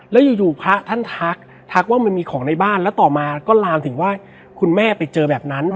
แล้วอยู่พระท่านทักทักว่ามันมีของในบ้านแล้วต่อมาก็ลามถึงว่าคุณแม่ไปเจอแบบนั้น